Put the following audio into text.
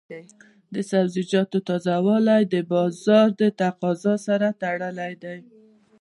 د سبزیجاتو تازه والی د بازار د تقاضا سره تړلی دی.